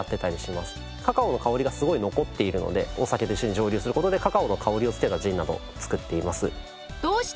カカオの香りがすごい残っているのでお酒と一緒に蒸留する事でカカオの香りを付けたジンなどを造っています。